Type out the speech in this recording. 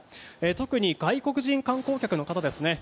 特に外国人観光客の方ですね。